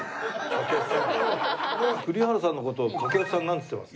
栗原さんの事を掛布さんなんて言ってます？